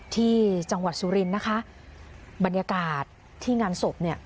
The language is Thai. ที่จังหวัดสุรินทร์นะคะบรรยากาศที่งานศพเนี่ย